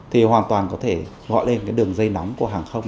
thì hoàn toàn có thể gọi lên cái đường dây nóng của hàng không